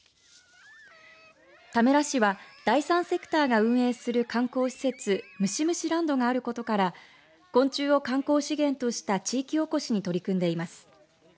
田村市は第３セクターが運営する観光施設ムシムシランドがあることから昆虫を観光資源とした地域おこしに取り組んでいます。